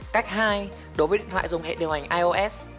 cách hai đối với điện thoại dùng hệ điều hành ios